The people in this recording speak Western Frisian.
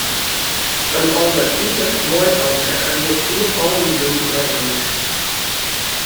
In alderivichst moai famke ried yn 'e fallende jûn nei hús.